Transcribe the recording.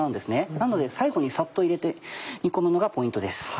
なので最後にサッと入れて煮込むのがポイントです。